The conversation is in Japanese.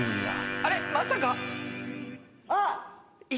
あれまさか！？